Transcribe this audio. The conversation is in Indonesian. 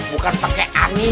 bukan pakai angin